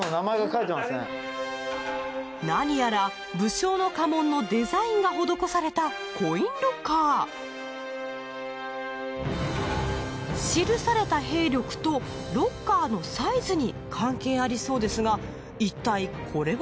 何やら武将の家紋のデザインが施されたコインロッカー記された兵力とロッカーのサイズに関係ありそうですがいったいこれは？